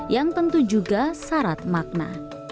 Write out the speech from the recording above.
yang tentu juga syarat makna